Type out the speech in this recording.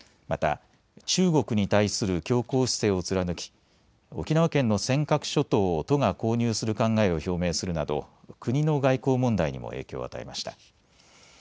また、中国に対する強硬姿勢を貫き沖縄県の尖閣諸島を都が購入する考えを表明するなど国の外交問題にも影響を与えました。